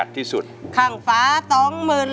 สวัสดีครับคุณหน่อย